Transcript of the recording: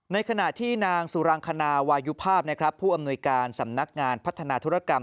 ในขณะที่นางสุรังคณาวายุภาพผู้อำนวยการสำนักงานพัฒนาธุรกรรม